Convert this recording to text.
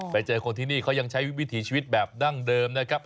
ไปเจอคนที่นี่เขายังใช้วิถีชีวิตแบบดั้งเดิมนะครับ